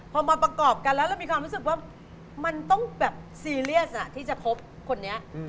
พอมาประกอบกันแล้วเรามีความรู้สึกว่ามันต้องแบบซีเรียสที่จะคบคนนี้